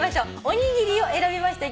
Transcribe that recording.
「おにぎり」を選びました